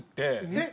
えっ！